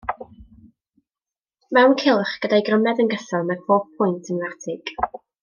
Mewn cylch, gyda'i grymedd yn gyson, mae pob pwynt yn fertig.